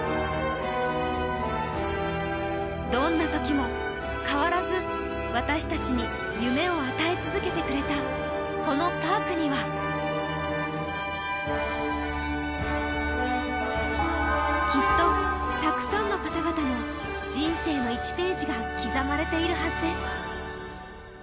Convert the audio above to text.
どんなときも変わらず私たちに夢を与え続けてくれたこのパークにはきっと、たくさんの方々の人生の１ページが刻まれているはずです。